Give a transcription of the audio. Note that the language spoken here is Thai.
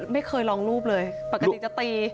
ไม่เคยลองรูปเลยปกติจะตี